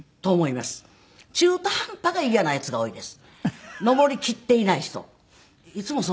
中途半端が嫌なヤツが多いです。